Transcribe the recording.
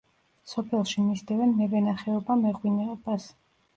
სოფელში მისდევენ მევენახეობა-მეღვინეობას.